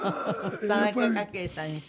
田中角栄さんに。